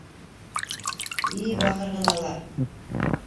— И бахыр ғыналар.